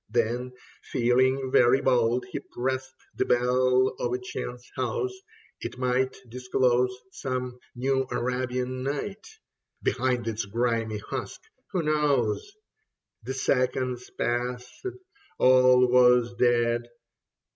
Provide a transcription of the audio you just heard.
Then feeling very bold, he pressed The bell of a chance house ; it might Disclose some New Arabian Night Behind its grimy husk, who knows ? The seconds passed ; all was dead.